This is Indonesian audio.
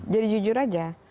jadi jujur aja